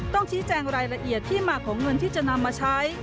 ต้องชี้แจงรายละเอียดที่มาของเงินที่จะนำมาใช้